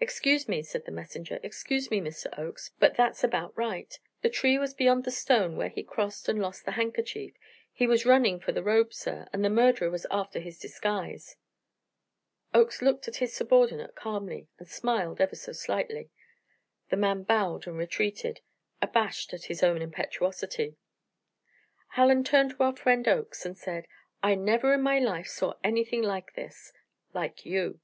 "Excuse me," said the messenger, "excuse me, Mr. Oakes but that's about right. The tree was beyond the stone where he crossed and lost the handkerchief. He was running for the robe, sir; the murderer was after his disguise." Oakes looked at his subordinate calmly and smiled ever so slightly. The man bowed and retreated, abashed at his own impetuosity. Hallen turned to our friend Oakes and said: "I never in my life saw anything like this like you."